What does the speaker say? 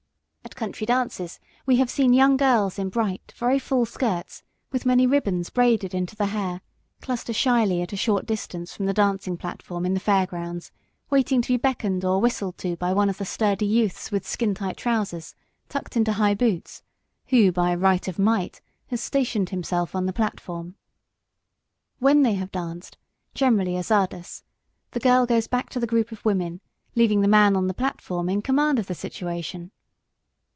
At country dances we have seen young girls in bright, very full skirts, with many ribbons braided into the hair, cluster shyly at a short distance from the dancing platform in the fair grounds, waiting to be beckoned or whistled to by one of the sturdy youths with skin tight trousers, tucked into high boots, who by right of might, has stationed himself on the platform. When they have danced, generally a czardas, the girl goes back to the group of women, leaving the man on the platform in command of the situation!